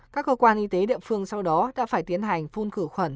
các cơ quan y tế địa phương sau đó đã phải tiến hành phun khử khuẩn